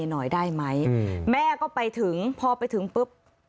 หน่อยได้ไหมแม่ก็ไปถึงพอไปถึงปุ๊บ